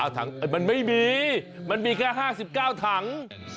ถังมันไม่มีมันมีแค่๕๙ถัง